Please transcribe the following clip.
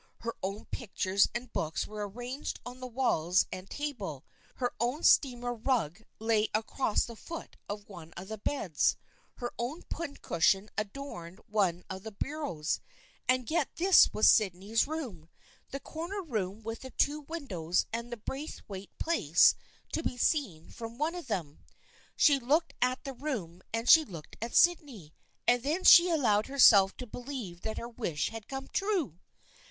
Her own pictures and books were arranged on the walls and table, her own steamer rug lay across the foot of one of the beds, her own pincushion adorned one of the bureaus, and yet this was Sydney's room, the cor ner room with the two windows and the Braith waite place to be seen from one of them. She looked at the room and she looked at Sydney, and then she allowed herself to believe that her wish had come true.